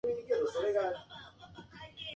彼は親切な人だ。